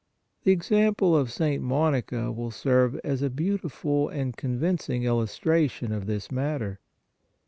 The example of St. Monica will serve as a beautiful and H4 PRAYER convincing illustration of this matter.